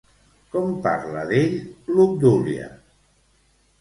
Com parla d'ell l'Obdúlia?